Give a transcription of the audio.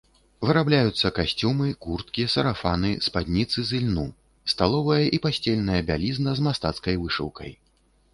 Вырабляюцца касцюмы, курткі, сарафаны, спадніцы з ільну, сталовая і пасцельная бялізна з мастацкай вышыўкай.